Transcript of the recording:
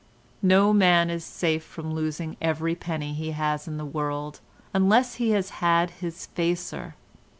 No man is safe from losing every penny he has in the world, unless he has had his facer.